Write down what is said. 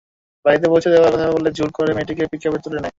বাড়িতে পৌঁছে দেওয়ার কথা বলে জোর করে মেয়েটিকে পিকআপে তুলে নেয়।